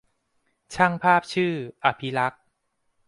ช่างภาพชื่อ อภิลักษณ์